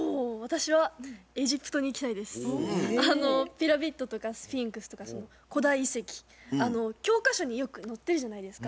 ピラミッドとかスフィンクスとか古代遺跡教科書によく載ってるじゃないですか。